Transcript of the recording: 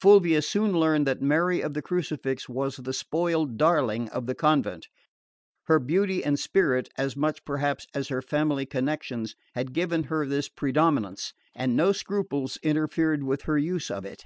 Fulvia soon learned that Mary of the Crucifix was the spoiled darling of the convent. Her beauty and spirit, as much perhaps as her family connections, had given her this predominance; and no scruples interfered with her use of it.